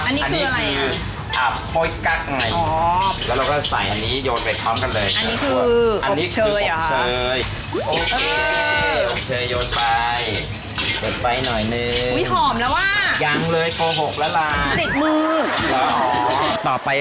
อันนี้คืออะไรอับปล่อยกั๊กไง